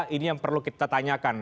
ini yang perlu kita tanyakan